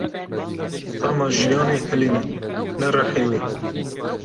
Tama jiyanê hilînin, ne rihê wê.